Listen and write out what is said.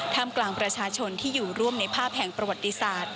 กลางประชาชนที่อยู่ร่วมในภาพแห่งประวัติศาสตร์